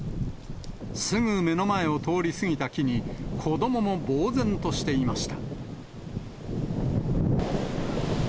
すぐ目の前を通り過ぎた木に、子どももぼう然としていました。